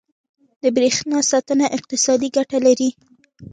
• د برېښنا ساتنه اقتصادي ګټه لري.